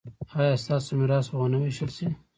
ایا ستاسو میراث به ویشل نه شي؟